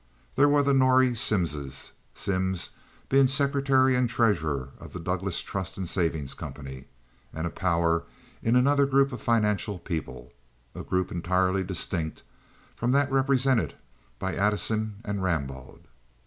There were the Norrie Simmses, Simms being secretary and treasurer of the Douglas Trust and Savings Company, and a power in another group of financial people, a group entirely distinct from that represented by Addison and Rambaud.